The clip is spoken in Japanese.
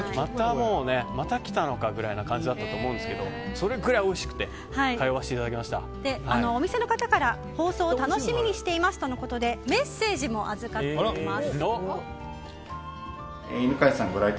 また来たのかぐらいの感じだったと思うんですけどそれぐらいおいしくてお店の方から放送を楽しみにしていますとのことでメッセージも預かっています。